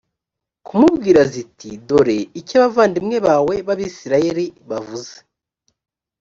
kumubwira ziti «dore icyo abavandimwe bawe b’abayisraheli bavuze.